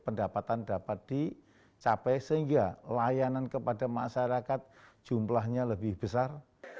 pendapatan dapat dicapai sehingga layanan kepada masyarakat jumlahnya lebih besar